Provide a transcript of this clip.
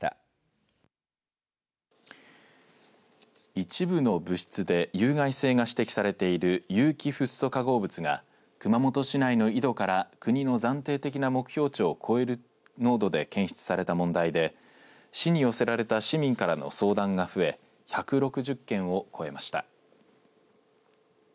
一部の物質で有害性が指摘されている有機フッ素化合物が熊本市内の井戸から国の暫定的な目標値を超える濃度で検出された問題で市に寄せられた市民からの相談が増え１６０件を超えました。